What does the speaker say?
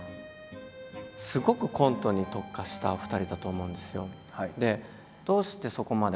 すごくコントに特化したお二人だと思うんですよ。